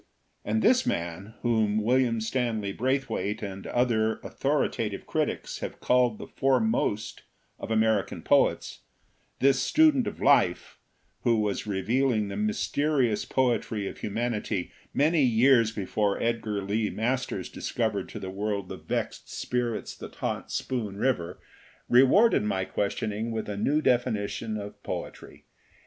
And this man, whom William Stanley Braithwaite and other authoritative critics have called the foremost of American poets, this student of life, who was re vealing the mysterious poetry of humanity many years before Edgar Lee Masters discovered to the world the vexed spirits that haunt Spoon River, 265 LITERATURE IN THE MAKING rewarded my questioning with a new definition of poetry.